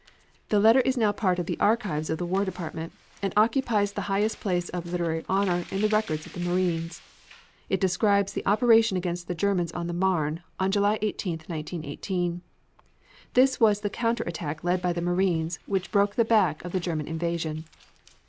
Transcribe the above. The letter is now part of the archives of the War Department, and occupies the highest place of literary honor in the records of the Marines. It describes the operation against the Germans on the Marne on July 18th, 1918. This was the counter attack led by the Marines which broke the back of the German invasion.